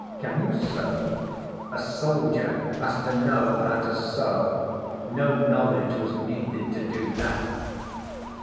"Can you sew?" "A soldier has to know how to sew. No knowledge was needed to do that."